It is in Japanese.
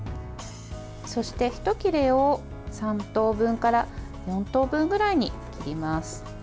そして、ひと切れを３等分から４等分ぐらいに切ります。